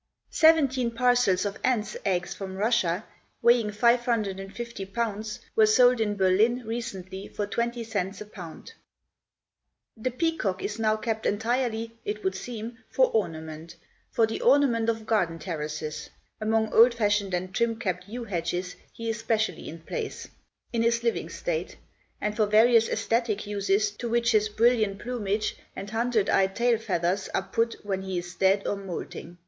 Seventeen parcels of ants' eggs from Russia, weighing 550 pounds, were sold in Berlin recently for 20 cents a pound. The peacock is now kept entirely, it would seem, for ornament for the ornament of garden terraces (among old fashioned and trim kept yew hedges he is specially in place) in his living state, and for various æsthetic uses to which his brilliant plumage and hundred eyed tailfeathers are put when he is dead or moulting.